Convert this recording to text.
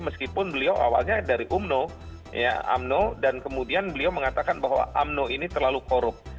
meskipun beliau awalnya dari umno ya umno dan kemudian beliau mengatakan bahwa umno ini terlalu korup